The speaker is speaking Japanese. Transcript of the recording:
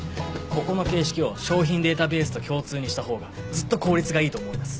ここの形式を商品データベースと共通にした方がずっと効率がいいと思います。